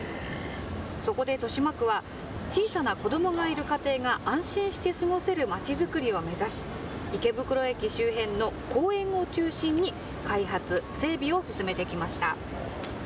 そこで豊島区は小さな子どもがいる家庭が安心して過ごせるまちづくりを目指し池袋駅周辺の公園を中心に開発、整備を進めてきました。